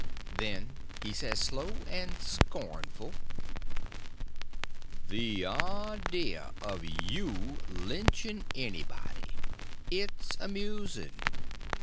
Then he says, slow and scornful: "The idea of you lynching anybody! It's amusing.